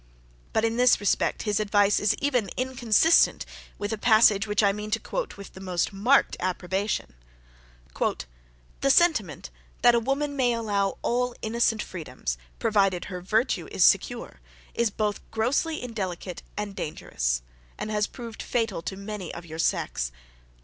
But in this respect his advice is even inconsistent with a passage which I mean to quote with the most marked approbation. "The sentiment, that a woman may allow all innocent freedoms, provided her virtue is secure, is both grossly indelicate and dangerous, and has proved fatal to many of your sex."